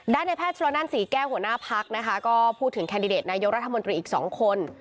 ด้านในแพทย์ตัวนั้นสีแก้วหัวหน้าพักก็พูดถึงแคนดิเดตนายรัฐมนตรีอีก๒คน